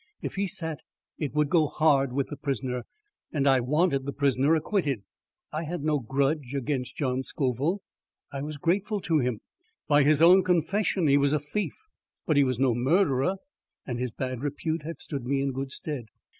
If he sat, it would go hard with the prisoner, and I wanted the prisoner acquitted. I had no grudge against John Scoville. I was grateful to him. By his own confession he was a thief, but he was no murderer, and his bad repute had stood me in good stead.